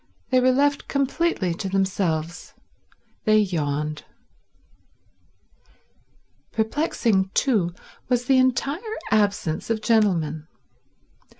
They were left completely to themselves. They yawned. Perplexing, too, was the entire absence of gentlemen.